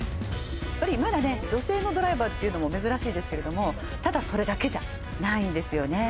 やっぱりまだね女性のドライバーっていうのも珍しいですけれどもただそれだけじゃないんですよね